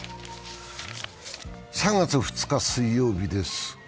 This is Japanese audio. ３月２日水曜日です。